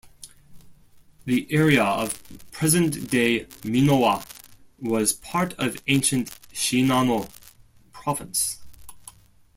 The area of present-day Minowa was part of ancient Shinano Province.